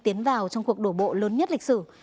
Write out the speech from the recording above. tiến vào trong cuộc đổ bộ lớn nhất lịch sử